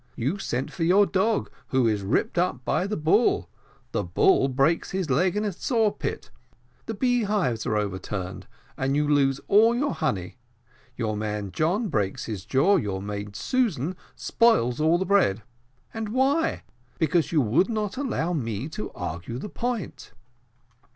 You send for your dog, who is ripped up by the bull the bull breaks his leg in a saw pit the bee hives are overturned and you lose all your honey your man John breaks his jaw your maid Susan spoils all the bread and why? because you would not allow me to argue the point."